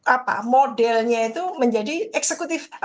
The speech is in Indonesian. apa modelnya itu menjadi eksekutif